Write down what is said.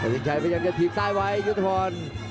สินชัยพยายามจะถีบซ้ายไว้ยุทธพร